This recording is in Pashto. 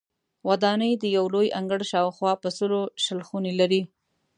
ودانۍ د یو لوی انګړ شاوخوا په سلو شل خونې لري.